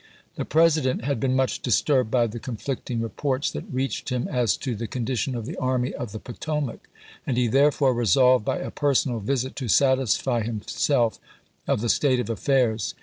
The President had been much disturbed by the conflicting reports that reached him as to the con dition of the Army of the Potomac, and he there fore resolved by a personal visit to satisfy himself of the state of affairs.